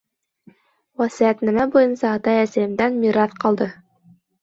— Васыятнамә буйынса атай-әсәйемдән мираҫ ҡалды.